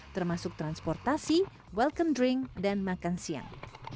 termasuk transportasi welcome drink dan makan siang